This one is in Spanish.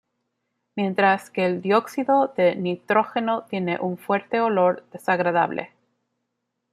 Mientras que el dióxido de nitrógeno tiene un fuerte olor desagradable.